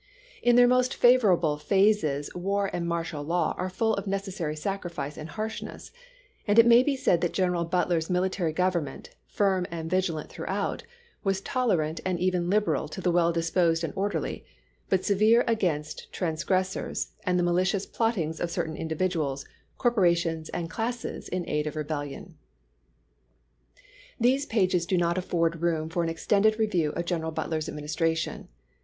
In their most favorable phases, war and martial law are full of necessary sacrifice and harshness, and it may be said that Greneral Butler's military government, firm and vigilant throughout, was tolerant and even hberal to the well disposed and orderly, but severe against trans gressors and the malicious plottings of certain individuals, corporations, and classes in aid of rebellion. These pages do not afford room for an extended review of General Butler's administration.